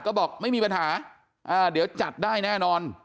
ก็บอกไม่มีปัญหาเดี๋ยวจัดได้แน่นอน